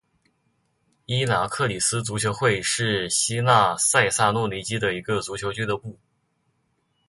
伊拿克里斯足球会是希腊塞萨洛尼基的一个足球俱乐部。